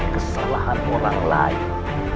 kesalahan orang lain